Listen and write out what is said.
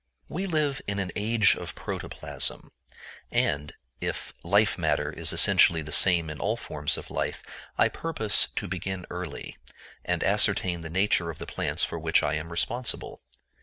We live in an age of protoplasm. And, if life matter is essentially the same in all forms of life, I purpose to begin early, and ascertain the nature of the plants for which I am responsible.